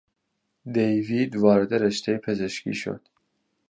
دیوید وارد رشتهی پزشکی شد.